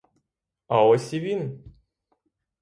А ось і він!